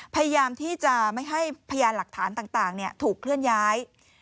พยายามที่จะไม่ให้พยานหลักฐานต่างถูกเคลื่อนย้าย